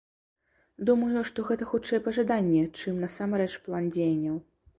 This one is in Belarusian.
Думаю, што гэта хутчэй пажаданні, чым насамрэч план дзеянняў.